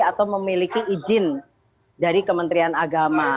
atau memiliki izin dari kementerian agama